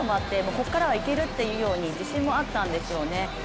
ここからはいけるという自信もあったんでしょうね。